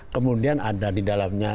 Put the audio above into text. kemudian ada di dalamnya